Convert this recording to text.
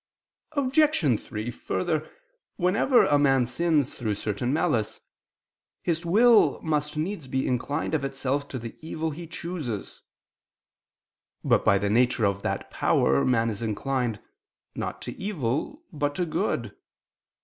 Obj. 3: Further, whenever a man sins through certain malice, his will must needs be inclined of itself to the evil he chooses. But by the nature of that power man is inclined, not to evil but to good.